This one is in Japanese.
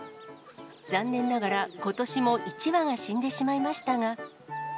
残念ながら、ことしも１羽が死んでしまいましたが。